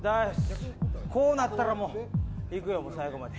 こうなったらもういくよ最後まで。